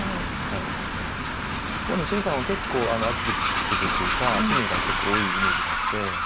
一方の謝さんは結構アクティブというか趣味が結構多いイメージがあって。